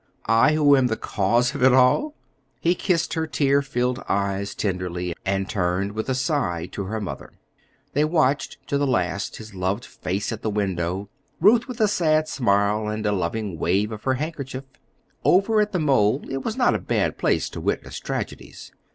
I, who am the cause of it all?" He kissed her tear filled eyes tenderly, and turned with a sign to her mother. They watched to the last his loved face at the window, Ruth with a sad smile and a loving wave of her handkerchief. Over at the mole it is not a bad place to witness tragedies.